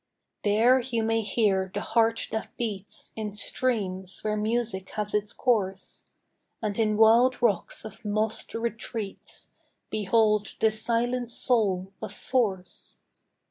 There you may hear the heart that beats In streams, where music has its source; And in wild rocks of mossed retreats Behold the silent soul of force.